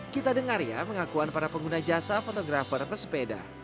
kita dengar ya pengakuan para pengguna jasa fotografer pesepeda